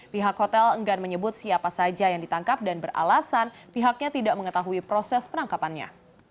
pihak hotel enggan menyebut siapa saja yang ditangkap dan beralasan pihaknya tidak mengetahui proses penangkapannya